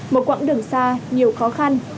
một quãng đường xa nhiều khó khăn